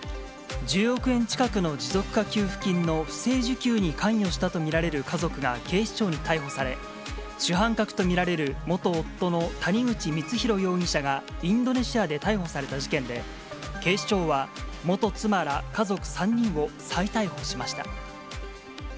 １０億円近くの持続化給付金の不正受給に関与したとみられる家族が警視庁に逮捕され、主犯格と見られる元夫の谷口光弘容疑者が、インドネシアで逮捕された事件で、警視庁は元妻ら家族３人を再逮捕しました。